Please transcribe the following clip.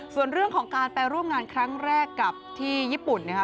ส่วนเรื่องของการไปร่วมงานครั้งแรกกับที่ญี่ปุ่นนะครับ